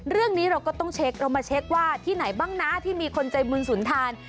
เรื่องนี้เราก็ต้องเช็คเรามาเช็คว่าที่ไหนบ้างนะที่มีคนใจบุญสุนทาน